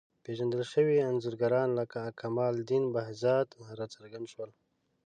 پېژندل شوي انځورګران لکه کمال الدین بهزاد راڅرګند شول.